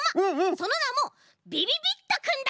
そのなもびびびっとくんだ！